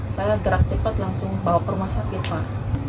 saya gerak cepat langsung bawa permasak kita